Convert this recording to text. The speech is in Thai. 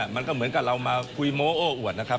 มันก็เหมือนกับเรามาคุยโม้โอ้อวดนะครับ